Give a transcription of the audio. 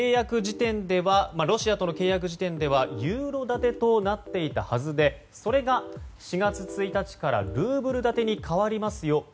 ロシアとの契約時点ではユーロ建てとなっていたはずでそれが４月１日からルーブル建てに変わりますよ。